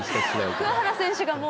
桑原選手がもう。